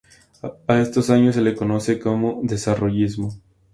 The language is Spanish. A esos años se les conoce como "Desarrollismo".